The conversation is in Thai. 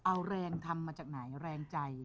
เอาแรงทำมาจากไหนแรงใจ